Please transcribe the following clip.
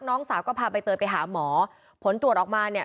น้องสาวก็พาใบเตยไปหาหมอผลตรวจออกมาเนี่ย